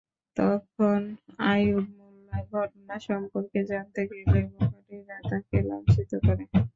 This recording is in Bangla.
তখন আইয়ুব মোল্লা ঘটনা সম্পর্কে জানতে গেলে বখাটেরা তাঁকে লাঞ্ছিত করে।